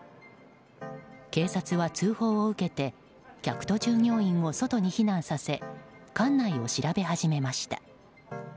警察は通報を受けて客と従業員を外に避難させ館内を調べ始めました。